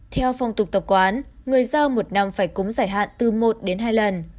theo phong tục tập quán người giao một năm phải cúng giải hạn từ một đến hai lần